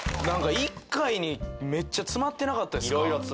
何か１回にめっちゃ詰まってなかったですか？